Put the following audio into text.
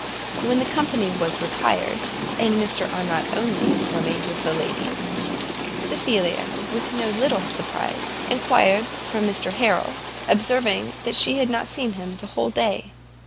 When the company was retired, and Mr Arnott only remained with the ladies, Cecilia, with no little surprise, inquired for Mr Harrel, observing that she had not seen him the whole day.